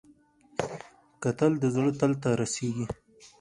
کتل د زړه تل ته رسېږي